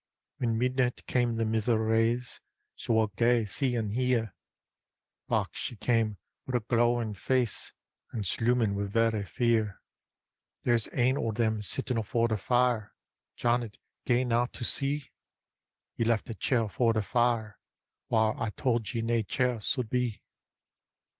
When midnight came the mither rase — She wad gae see an' hear. Back she cam' wi' a glowrin' face, An' sloomin' wi' verra fear. "There's ane o' them sittin' afore the fire! Janet, gae na to see ; Ye left a chair afore the fire, Whaur I tauld ye nae chair sud be."